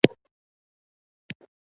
کار اهل کار ته وسپارل شي.